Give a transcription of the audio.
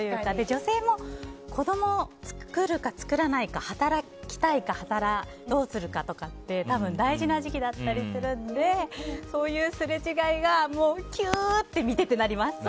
女性も子供を作るか作らないか働きたいか、どうするかとかって多分大事な時期だったりするのでそういうすれ違いがもうキューって見ててなります。